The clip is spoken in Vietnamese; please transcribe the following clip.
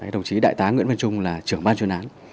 đồng chí đại tá nguyễn văn trung là trưởng ban chuyên án